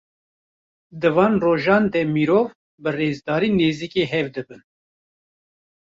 Di van rojan de mirov, bi rêzdarî nêzîkî hev dibin.